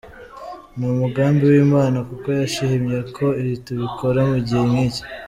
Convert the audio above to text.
Ni umugambi w’Imana kuko yashimye ko tubikora mu gihe nk’iki.